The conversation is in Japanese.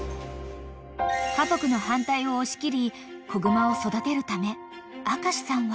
［家族の反対を押し切り子熊を育てるため明さんは］